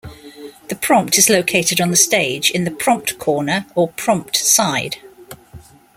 The prompt is located on the stage, in the prompt corner or "prompt side".